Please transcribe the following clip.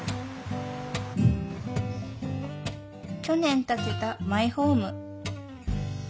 去年建てたマイホーム。